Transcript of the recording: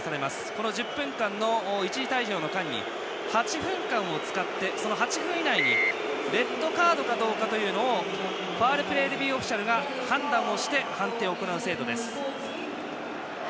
この１０分間の一時退場の間に８分間を使ってその８分以内にレッドカードかどうかファウルプレーレビューオフィシャルが判断をして判定を行う制度です。